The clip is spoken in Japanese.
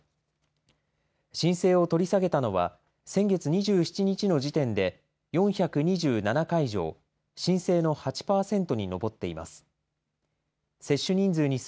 申請を取り下げたのは、先月２７日の時点で、４２７会場、申請の８％に上っています。